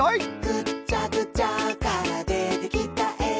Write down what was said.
「ぐっちゃぐちゃからでてきたえ」